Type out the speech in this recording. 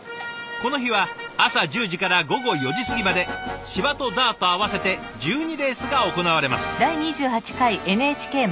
この日は朝１０時から午後４時過ぎまで芝とダート合わせて１２レースが行われます。